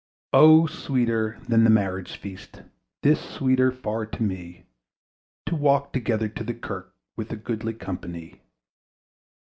O sweeter than the marriage feast, 'Tis sweeter far to me, To walk together to the kirk With a goodly company!